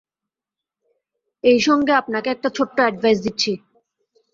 এই সঙ্গে আপনাকে একটা ছোট্ট অ্যাডভাইস দিচ্ছি।